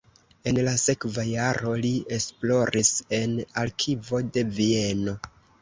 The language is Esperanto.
En la sekva jaro li esploris en arkivo de Vieno.